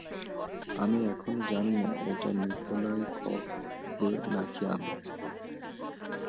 আমি এখনো জানি না এটা নিকোলাই করবে নাকি আমি।